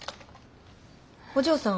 お嬢さん。